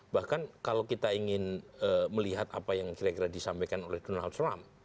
bahkan kalau kita ingin melihat apa yang kira kira disampaikan oleh donald trump